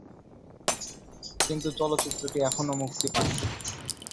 কিন্তু চলচ্চিত্রটি এখনও মুক্তি পায়নি।